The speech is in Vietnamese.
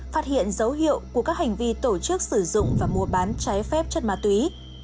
phát hiện dấu hiệu của các hành vi tổ chức sử dụng và mua bán trái phép chất ma túy